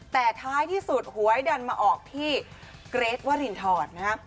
แต่ท้ายที่สุดหวยดันมาออกที่เกรทวรินทรนะฮะ